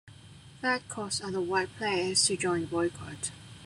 That caused other white players to join the boycott.